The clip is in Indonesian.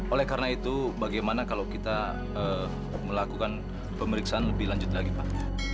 oleh karena itu bagaimana kalau kita melakukan pemeriksaan lebih lanjut lagi pak